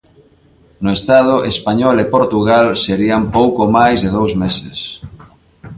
No Estado español e Portugal serían pouco máis de dous meses.